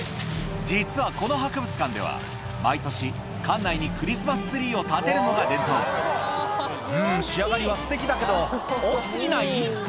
実はこの博物館では毎年館内にクリスマスツリーを立てるのが伝統うん仕上がりはすてきだけど大き過ぎない？